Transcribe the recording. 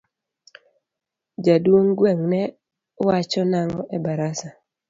Jaduong gweng no wacho nango e barasa.